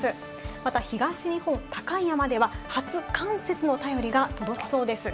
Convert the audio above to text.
また東日本、高い山では初冠雪の便りが届きそうです。